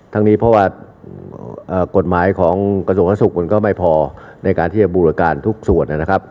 ทั้งนี้เพราะว่ากฎหมายของกระทรวงสาธาสุขมันก็ไม่พอในการที่จะบูรการทุกส่วนนะครับ